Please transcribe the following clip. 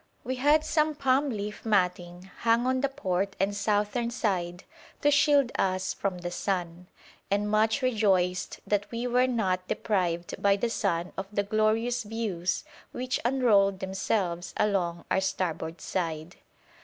We had some palm leaf matting hung on the port and southern side to shield us from the sun, and much rejoiced that we were not deprived by the sun of the glorious views which unrolled themselves along our starboard side.